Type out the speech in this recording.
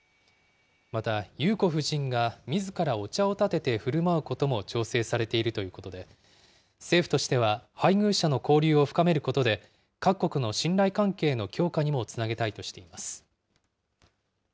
また裕子夫人がみずからお茶をたててふるまうことも調整されているということで、政府としては配偶者の交流を深めることで、各国の信頼関係の強化にもつなげたいとしています。